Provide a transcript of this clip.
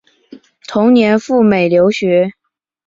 同年赴美留学。